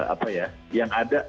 apa ya yang ada